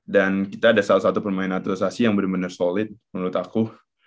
dan kita ada salah satu pemain atas asli yang bener bener solid menurut aku